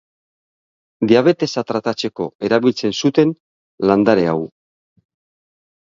Diabetesa tratatzeko erabiltzen zuten landare hau.